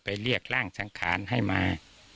เรียกร่างสังขารให้มา